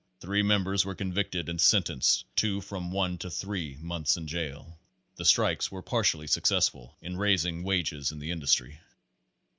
Three members were convicted and sentenced to from one to three months in jail. The strikes were partially suc cessful in raising wages in the industry.